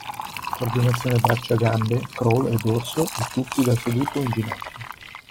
Coordinazione braccia-gambre crawl e dorso e tuffi da seduto o in ginocchio.